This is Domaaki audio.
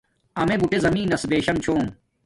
امیے بوٹے زمین نس بیشم چھوم